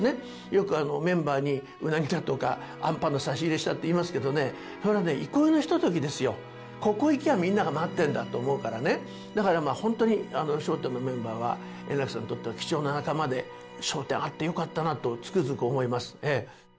よくメンバーにうなぎだとか、あんぱんの差し入れしたっていいますけどね、それはね、憩いのひとときですよ、ここいきゃぁ、みんなが待ってんだと思えばね、だから本当に、笑点のメンバーは、円楽さんにとっての貴重な仲間で笑点あってよかったなとつくづく思います。